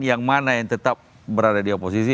yang mana yang tetap berada di oposisi